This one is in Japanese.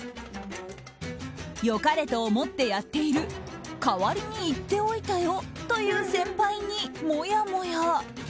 良かれと思ってやっている代わりに言っておいたよという先輩に、もやもや。